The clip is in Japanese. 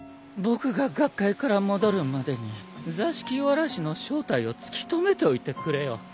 僕が学会から戻るまでに座敷童の正体を突き止めておいてくれよ。